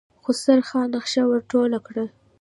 خسرو خان نخشه ور ټوله کړه.